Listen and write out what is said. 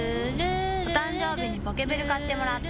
お誕生日にポケベル買ってもらった。